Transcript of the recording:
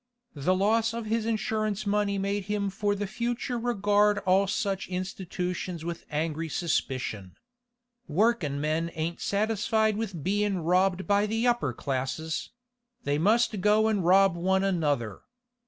The loss of his insurance money made him for the future regard all such institutions with angry suspicion. 'Workin' men ain't satisfied with bein' robbed by the upper classes; they must go and rob one another.